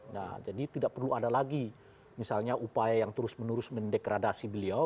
nah jadi tidak perlu ada lagi misalnya upaya yang terus menerus mendekradasi beliau